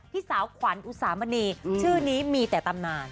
พี่สาวขวัญอุสามณีชื่อนี้มีแต่ตำนาน